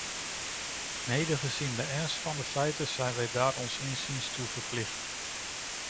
Mede gezien de ernst van de feiten zijn wij daar ons inziens toe verplicht.